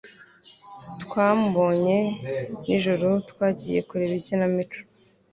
Twamubonye nijoro twagiye kureba ikinamico